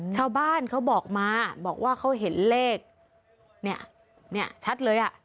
เขาบอกมาบอกว่าเขาเห็นเลขเนี่ยชัดเลยอ่ะ